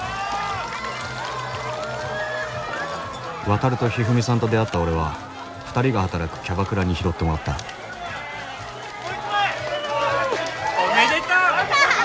ワタルとひふみさんと出会った俺は２人が働くキャバクラに拾ってもらったおめでとう！